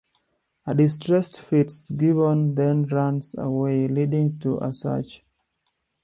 A distressed Fitzgibbon then runs away, leading to a search.